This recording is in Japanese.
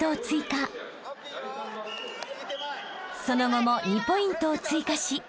［その後も２ポイントを追加し］